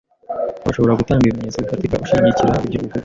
Urashobora gutanga ibimenyetso bifatika ushigikira ibyo uvuga?